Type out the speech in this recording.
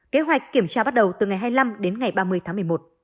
kế hoạch kiểm tra bắt đầu từ ngày hai mươi năm đến ngày ba mươi tháng một mươi một